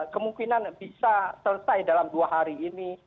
kemungkinan bisa selesai dalam dua hari ini